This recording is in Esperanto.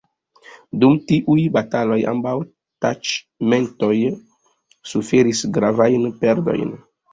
Dum tiuj bataloj ambaŭ taĉmentoj suferis gravajn perdojn.